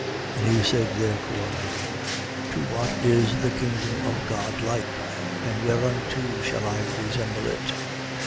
13:18. He said therefore: To what is the kingdom of God like, and whereunto shall I resemble it?